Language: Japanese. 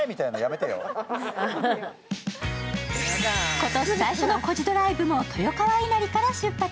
今年最初の「コジドライブ」も豊川稲荷から出発。